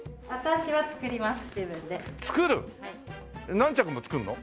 何着も作るの？